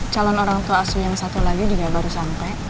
calon orang tua asuh yang satu lagi juga baru sampai